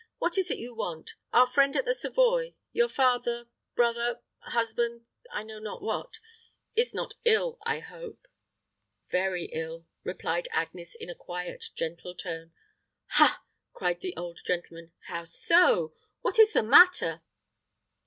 What is it you want? Our friend at the Savoy your father brother husband I know not what, is not ill, I hope." "Very ill," replied Agnes, in a quiet, gentle tone. "Ha!" cried the old gentleman. "How so? What is the matter?"